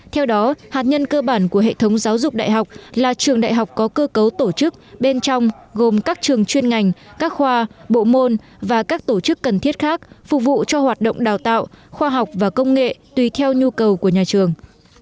theo đó hạt nhân cơ bản của hệ thống giáo dục đại học là trường đại học có cơ cấu tổ chức bên trong gồm các trường chuyên ngành các khoa bộ môn và các tổ chức cần thiết khác phục vụ cho hoạt động đào tạo khoa học và công nghệ tùy theo nhu cầu của nhà trường